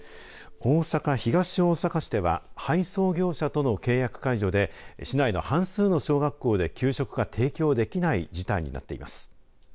大阪、東大阪市では配送業者との契約解除で市内の半数の小学校で給食が提供できない事態になっています。